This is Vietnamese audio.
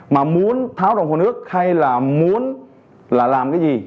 mà muốn tháo đồng hồ nước hay là muốn là làm cái gì